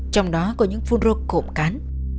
trong đó có những phun rô cộm cán